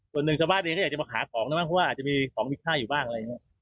คนหนึ่งจากบ้านเนี้ยเขาอยากจะมาหาของนะบ้างเพราะว่าอาจจะมีของมีค่าอยู่บ้างอะไรอย่างนี้